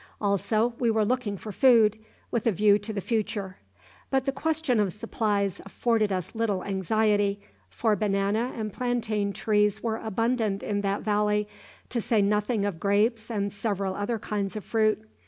Also we were looking for food, with a view to the future; but the question of supplies afforded us little anxiety, for banana and plantain trees were abundant in that valley, to say nothing of grapes and several other kinds of fruit.